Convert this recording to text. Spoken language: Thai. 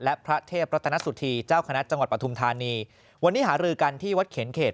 และพระเทพรัตนสุธีเจ้าคณะจังหวัดปฐุมธานีวันนี้หารือกันที่วัดเขนเขต